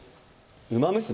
『ウマ娘』？